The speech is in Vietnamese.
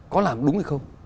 có làm đúng hay không